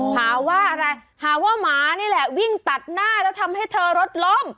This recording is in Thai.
หาว่าอะไรหาว่าหมานี่แหละวิ่งตัดหน้าแล้วทำให้เธอรถล้ม